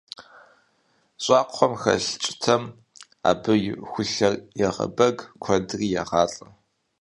Щӏакхъуэм хэлъ кӀытэм абы и хулъэр егъэбэг, куэдри егъалӀэ.